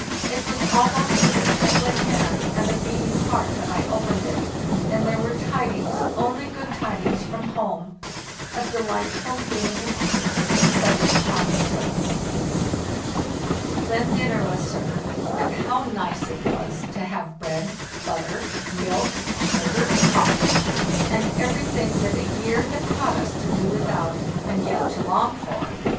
It was almost with a trembling hand and a beating heart that I opened it; and there were tidings, only good tidings, from home. A delightful feeling of peace settled upon the soul. JOHANSEN AT CAPE FLORA (From photograph by Mr. Jackson) THE JOURNEY SOUTHWARD 539 "Then dinner was served, and how nice it was to have bread, butter, milk, sugar, coffee, and everything that a year had taught us to do without and yet to long for!